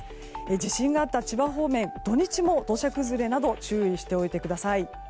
地震があった千葉方面、土日も土砂崩れなど注意しておいてください。